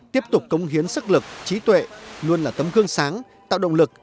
tiếp tục cống hiến sức lực trí tuệ luôn là tấm gương sáng tạo động lực